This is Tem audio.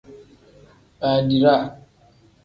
Badiraa.